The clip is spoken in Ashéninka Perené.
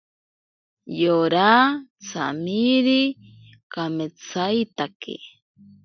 Yora tsamiri kametsaitake.